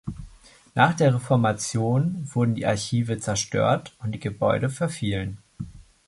Nach der Reformation wurden die Archive zerstört und die Gebäude verfielen.